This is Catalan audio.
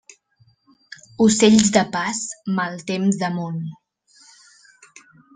Ocells de pas, mal temps damunt.